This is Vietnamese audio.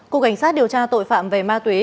cục cảnh sát điều tra tội phạm về ma túy